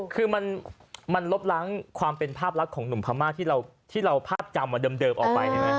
คือมันลบล้างความเป็นภาพลักษณ์ของหนุ่มพม่าที่เราภาพจำเดิมออกไปใช่ไหม